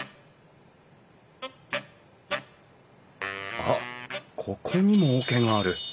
あっここにも桶がある。